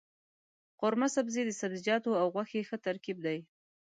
قورمه سبزي د سبزيجاتو او غوښې ښه ترکیب دی.